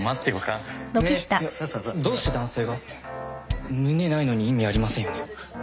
いやどうして男性が？胸ないのに意味ありませんよね？